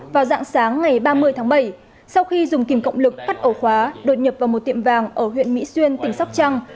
vào dạng sáng ngày ba mươi tháng bảy sau khi dùng kìm cộng lực cắt ổ khóa đột nhập vào một tiệm vàng ở huyện mỹ xuyên tỉnh sóc trăng